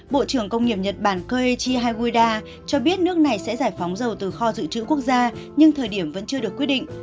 bộ trưởng công nghiệp nhật bản koei chi hauda cho biết nước này sẽ giải phóng dầu từ kho dự trữ quốc gia nhưng thời điểm vẫn chưa được quyết định